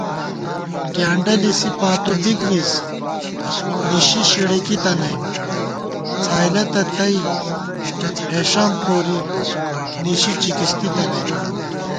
ڈیانڈہ لِسی پاتُو بِک مِز نِشِی شِڑِکی تَنَئیم * څھائلَتہ تئ ہېݭَم پوری نِشی چِکِستی تَنَئم